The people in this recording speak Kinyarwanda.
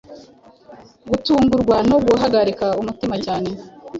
gutungurwa no guhagarika umutima cyane